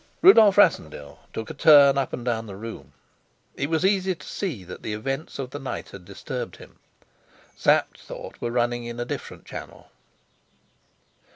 Rudolf Rassendyll took a turn up and down the room. It was easy to see that the events of the night had disturbed him. Sapt's thoughts were running in a different channel.